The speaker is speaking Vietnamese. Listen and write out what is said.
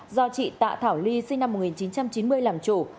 do chị tạ thảo ly sinh năm một nghìn chín trăm chín mươi làm chủ